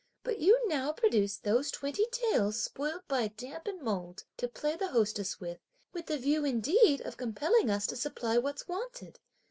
But you now produce those twenty taels, spoiled by damp and mould, to play the hostess with, with the view indeed of compelling us to supply what's wanted!